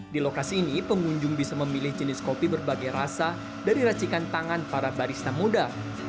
di lokasi ini pengunjung bisa memilih jenis kopi berbagai rasa dari racikan tangan para barista muda